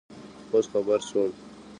اوس خبر شوم